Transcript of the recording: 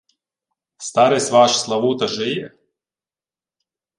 — Старець ваш Славута жиє?